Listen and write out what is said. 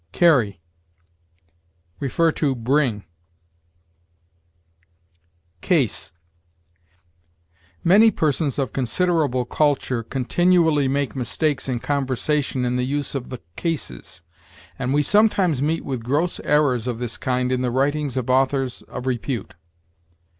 CARRY. See BRING. CASE. Many persons of considerable culture continually make mistakes in conversation in the use of the cases, and we sometimes meet with gross errors of this kind in the writings of authors of repute.